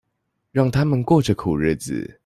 讓他們過著苦日子